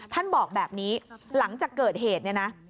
ท่านบอกแบบนี้หลังจากเกิดเหตุเนี่ยนะ